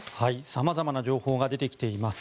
様々な情報が出てきています。